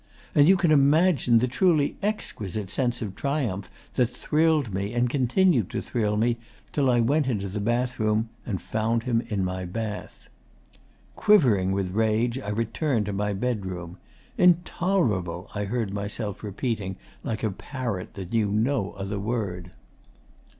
And you can imagine the truly exquisite sense of triumph that thrilled me and continued to thrill me till I went into the bathroom and found him in my bath. 'Quivering with rage, I returned to my bedroom. "Intolerable," I heard myself repeating like a parrot that knew no other word.